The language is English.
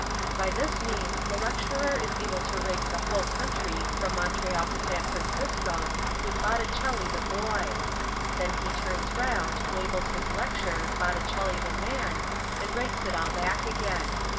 By this means the lecturer is able to rake the whole country from Montreal to San Francisco with "Botticelli the Boy". Then he turns round, labels his lecture "Botticelli the Man", and rakes it all back again.